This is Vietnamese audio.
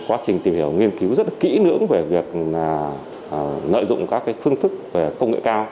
số tiền các bị hại gửi sẽ được chuyển vào số tài khoản do hoan cung cấp